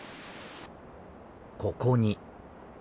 ここに。